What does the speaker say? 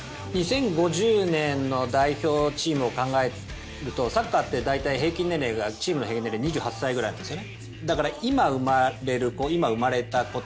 ２０５０年の代表チームを考えるとサッカーってだいたいチームの平均年齢が２８歳ぐらいなんです。